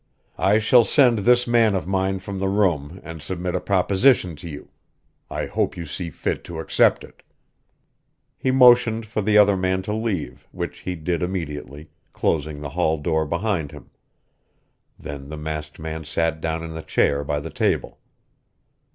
I shall send this man of mine from the room and submit a proposition to you. I hope you see fit to accept it." He motioned for the other man to leave, which he did immediately, closing the hall door behind him. Then the masked man sat down in the chair by the table.